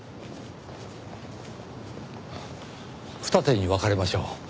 二手に分かれましょう。